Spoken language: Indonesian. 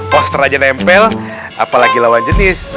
poster aja nempel apalagi lawan jenis